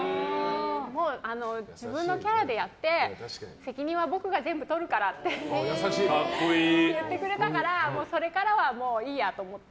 もう自分のキャラでやって責任は僕が全部取るからって言ってくれたからそれからは、もういいやと思って。